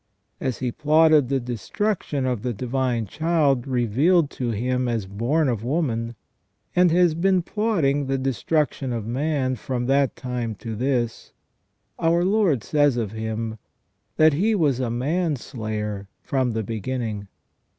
As he plotted the destruction of the Divine Child revealed to him as born of woman, and has been plotting the destruction of man from that time to this, our Lord says of him, that "he was a man slayer from the beginning".